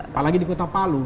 apalagi di kota palu